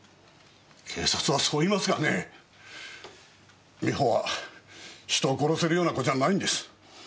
警察はそう言いますがね美穂は人を殺せるような子じゃないんです。